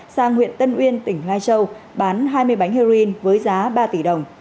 sang huyện tân uyên tỉnh lai châu bán hai mươi bánh heroin với giá ba tỷ đồng